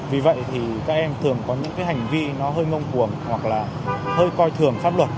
vì vậy thì các em thường có những cái hành vi nó hơi ngông cuồng hoặc là hơi coi thường pháp luật